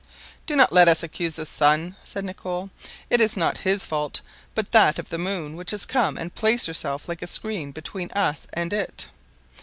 "Do not let us accuse the sun," said Nicholl, "it is not his fault, but that of the moon, which has come and placed herself like a screen between us and it."